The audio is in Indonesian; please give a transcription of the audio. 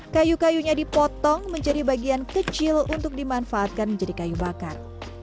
kayu kayunya dipotong menjadi bagian kecil untuk dimanfaatkan menjadi kayu bakar